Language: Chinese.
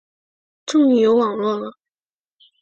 终于有网路了